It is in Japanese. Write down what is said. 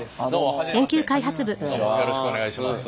よろしくお願いします。